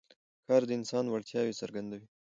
کار د انسان وړتیاوې څرګندوي